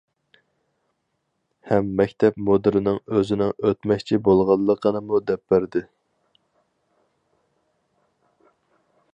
ھەم مەكتەپ مۇدىرىنىڭ ئۆزىنىڭ ئۆتمەكچى بولغانلىقىنىمۇ دەپ بەردى.